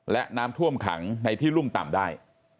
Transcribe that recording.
และน้ำท่วมขังในที่รุ่มต่ำได้